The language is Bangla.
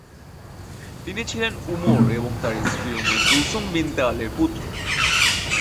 তিনি ছিলেন উমর এবং তাঁর স্ত্রী উম্মে কুলসুম বিনতে আলীর পুত্র।